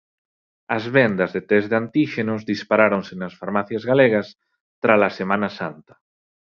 As vendas de tests de antíxenos disparáronse nas farmacias galegas tras a Semana Santa.